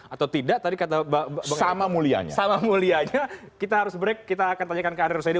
atau tidak tadi kata pak bung renhat